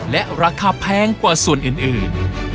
และราคาแพงกว่าส่วนอื่น